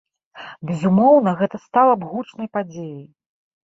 Безумоўна, гэта стала б гучнай падзеяй.